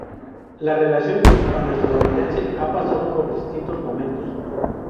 La relación hispano-estadounidense ha pasado por distintos momentos.